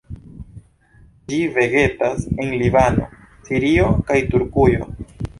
Ĝi vegetas en Libano, Sirio, kaj Turkujo.